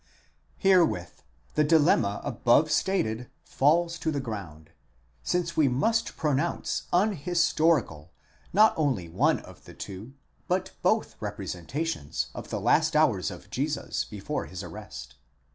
Herewith the dilemma above stated falls to the ground, since we must pro nounce uvhistorical not only one of the two, but both representations of the last hours of Jesus before his arrest.